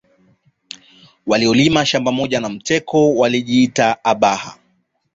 Waliolima shamba moja na Mteko walijiita Abhaha